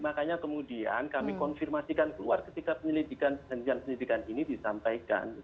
makanya kemudian kami konfirmasikan keluar ketika penyelidikan penyelidikan ini disampaikan